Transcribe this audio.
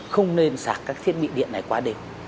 không nên sạc các thiết bị điện này quá đều